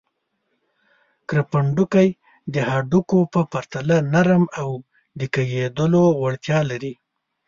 کرپندوکي د هډوکو په پرتله نرم او د کږېدلو وړتیا لري.